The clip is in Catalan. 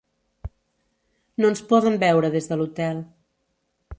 No ens poden veure des de l"hotel.